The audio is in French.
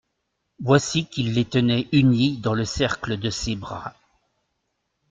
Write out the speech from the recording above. Voici qu'il les tenait unies dans le cercle de ses bras.